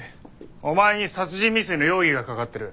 お前に殺人未遂の容疑がかかってる。